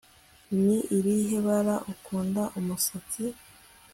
Ni irihe bara ukunda umusatsi